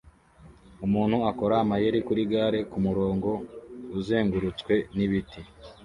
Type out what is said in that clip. Umuntu akora amayeri kuri gare kumurongo uzengurutswe nibiti